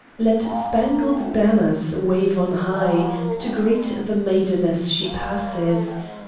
Let Spangled Banners wave on high, To greet the maiden as she passes!